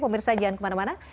pemirsa jangan kemana mana